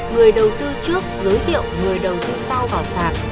người đầu tư trước giới thiệu người đầu tư sau vào sạc